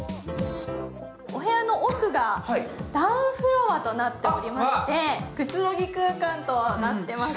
お部屋の奥がダウンフロアとなっていまして、くつろぎ空間となっております。